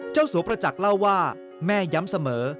สัวประจักษ์เล่าว่าแม่ย้ำเสมอ